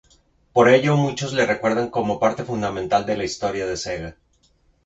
Por ello muchos le recuerdan como parte fundamental de la historia de Sega.